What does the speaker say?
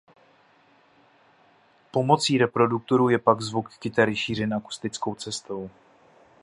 Pomocí reproduktorů je pak zvuk kytary šířen akustickou cestou.